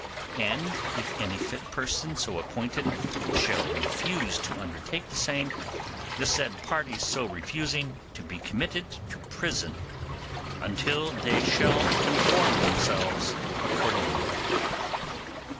And if any fit person so appointed shall refuse to undertake the same, the said parties so refusing to be committed to prison until they shall conform themselves accordingly.